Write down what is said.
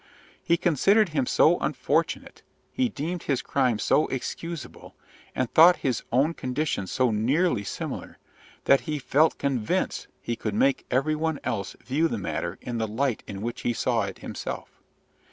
He considered him so unfortunate, he deemed his crime so excusable, and thought his own condition so nearly similar, that he felt convinced he could make every one else view the matter in the light in which he saw it himself.